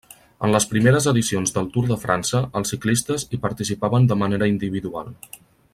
En les primeres edicions del Tour de França els ciclistes hi participaven de manera individual.